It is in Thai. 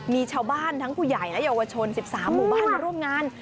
มีชาวบ้านทั้งผู้ใหญ่และเยาวชน๑๓หมู่บ้านมาร่วมงาน